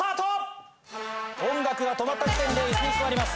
音楽が止まった時点で椅子に座ります。